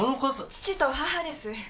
父と母です。